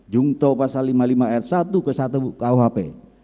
jungto pasal lima puluh lima ayat satu ke satu kuhp